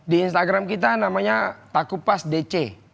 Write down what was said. di instagram kita namanya taku pas dc